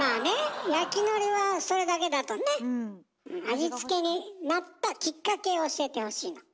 味付けになったきっかけを教えてほしいの。